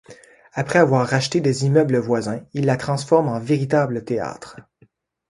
Après avoir racheté des immeubles voisins, il la transforme en véritable théâtre.